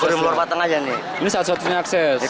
ini satu satunya akses